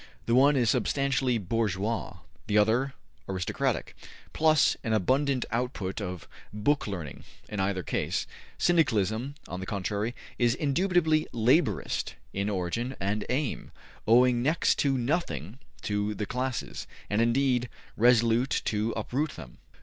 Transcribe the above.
The one is substantially bourgeois; the other aristocratic, plus an abundant output of book learning, in either case. Syndicalism, on the contrary, is indubitably laborist in origin and aim, owing next to nothing to the ``Classes,'' and, indeed,, resolute to uproot them.